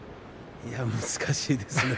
いや、難しいですね。